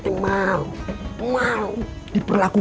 dan saya juga mengingatkan mereka